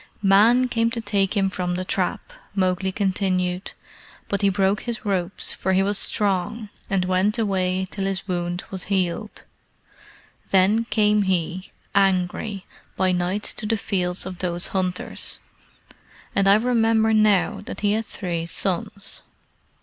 "Men came to take him from the trap," Mowgli continued, "but he broke his ropes, for he was strong, and went away till his wound was healed. Then came he, angry, by night to the fields of those hunters. And I remember now that he had three sons.